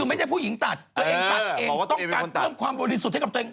คือไม่ได้ผู้หญิงตัดตัวเองตัดเองต้องการเพิ่มความบริสุทธิ์ให้กับตัวเอง